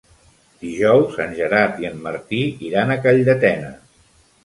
Dijous en Gerard i en Martí iran a Calldetenes.